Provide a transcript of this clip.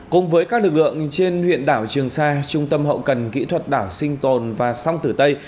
cùng với các lực lượng trên huyện đảo trường sa trung tâm hậu cần kỹ thuật đảo sinh tồn và song tử tây